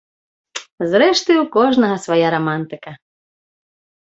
Зрэшты, у кожнага свая рамантыка.